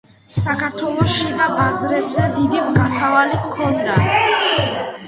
საქართველოს შიდა ბაზრებზე დიდი გასავალი ჰქონდა.